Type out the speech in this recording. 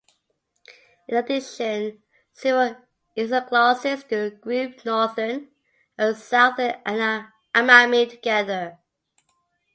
In addition, several isoglosses do group Northern and Southern Amami together.